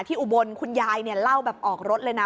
อุบลคุณยายเนี่ยเล่าแบบออกรถเลยนะ